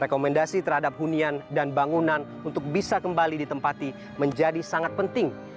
rekomendasi terhadap hunian dan bangunan untuk bisa kembali ditempati menjadi sangat penting